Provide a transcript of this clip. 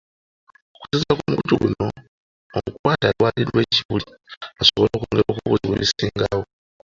Okusinziira ku mukutu guno omukwate atwaliddwa e Kibuli asobole okwongera okubuuzibwa ebisingawo.